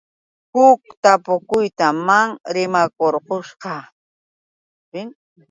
Huk tapukuyta maa rimakurqushaq.